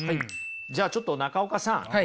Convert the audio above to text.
じゃあちょっと中岡さん